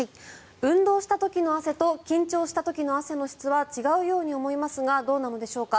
運動した時の汗と緊張した時の汗の質は違うように思いますがどうなのでしょうか。